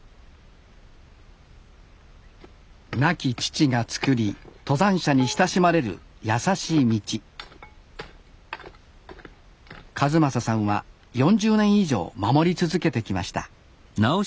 亡き父が作り登山者に親しまれるやさしい道一正さんは４０年以上守り続けてきました